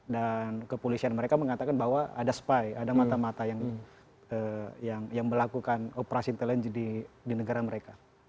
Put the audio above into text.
kepolisian mereka mengatakan bahwa ada spy ada mata mata yang melakukan operasi intelijen di negara mereka